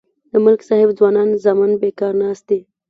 د ملک صاحب ځوانان زامن بیکار ناست دي.